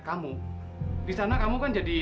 kamu disana kamu kan jadi